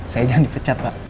saya jangan dipecat pak